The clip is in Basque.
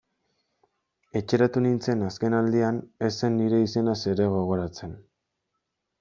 Etxeratu nintzen azken aldian, ez zen nire izenaz ere gogoratzen...